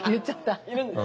いるんです。